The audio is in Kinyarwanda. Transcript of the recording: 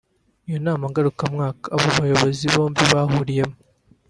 Iyo nama ngarukamwaka abo bayobozi bombi bahuriyemo